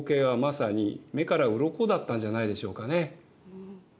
うん。